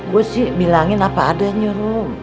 gue sih bilangin apa adanya nyuruh